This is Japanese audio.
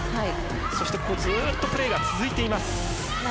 そしてずっとプレーが続いています。